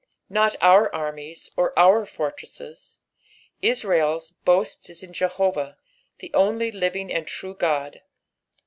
'''' Not our armies, or our fortresses. Israel's boast is in Jeborah, the ool; livinff and true God.